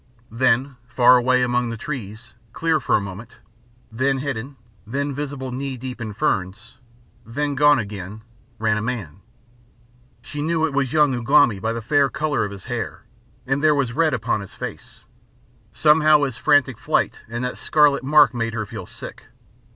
Then, far away among the trees, clear for a moment, then hidden, then visible knee deep in ferns, then gone again, ran a man. She knew it was young Ugh lomi by the fair colour of his hair, and there was red upon his face. Somehow his frantic flight and that scarlet mark made her feel sick.